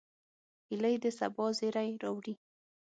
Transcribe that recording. هیلۍ د سبا زیری راوړي